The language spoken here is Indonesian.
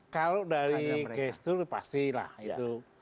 kalau dari gestur pastilah itu